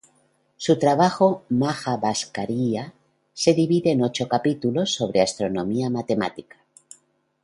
Su trabajo "Maja-bhaskaríia" se divide en ocho capítulos sobre astronomía matemática.